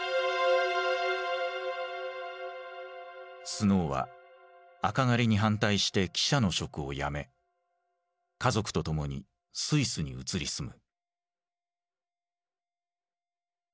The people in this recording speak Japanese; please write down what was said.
スノーは赤狩りに反対して記者の職を辞め家族と共にスイスに移り住む。